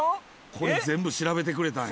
これ全部調べてくれたんや。